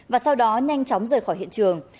và sau đó nhanh chóng rời khỏi hiện trường